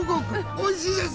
おいしいです！